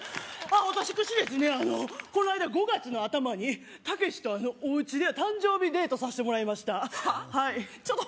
あのこの間５月の頭にたけしとおうちで誕生日デートさしてもらいましたはっ？